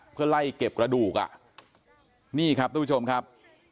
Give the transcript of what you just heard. เพื่อไล่เก็บกระดูกอ่ะนี่ครับทุกผู้ชมครับ